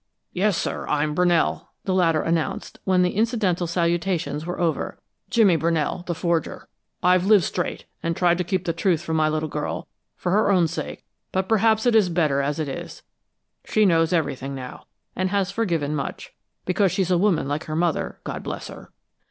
"Yes, sir, I'm Brunell," the latter announced, when the incidental salutations were over, " Jimmy Brunell, the forger. I've lived straight, and tried to keep the truth from my little girl, for her own sake, but perhaps it is better as it is. She knows everything now, and has forgiven much, because she's a woman like her mother, God bless her!